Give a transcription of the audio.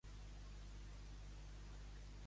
On va actuar la policia catalana ahir?